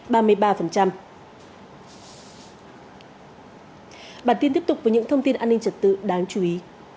bản tin tiếp tục với những thông tin an ninh trật tự đáng chú ý